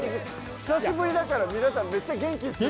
久しぶりだから皆さんめっちゃ元気っすね。